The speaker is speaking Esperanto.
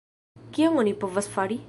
Kion oni povas fari?